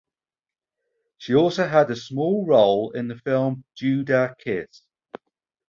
She also had a small role in the film "Judas Kiss".